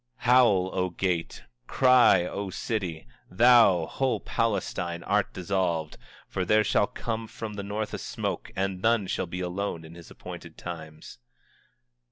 24:31 Howl, O gate; cry, O city; thou, whole Palestina, art dissolved; for there shall come from the north a smoke, and none shall be alone in his appointed times.